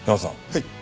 はい。